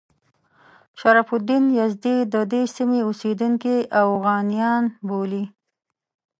شرف الدین یزدي د دې سیمې اوسیدونکي اوغانیان بولي.